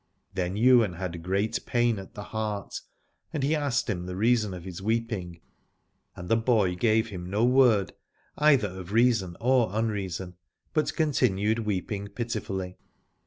Then Ywain had great pain 90 Alad ore at the heart, and he asked him the reason of his weeping : and the boy gave him no word, either of reason or unreason, but con tinued weeping pitifully.